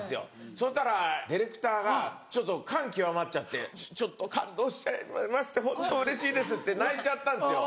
そしたらディレクターがちょっと感極まっちゃって「ちょっと感動しちゃいましたホントうれしいです」って泣いちゃったんですよ